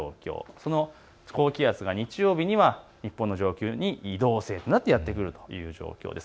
その高気圧が日曜日には日本の上空にやって来るという状況です。